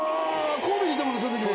神戸にいたもんねその時。